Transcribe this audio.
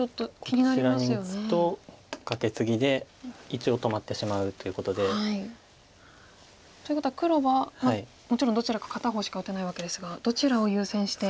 こちらに打つとカケツギで一応止まってしまうということで。ということは黒はもちろんどちらか片方しか打てないわけですがどちらを優先して。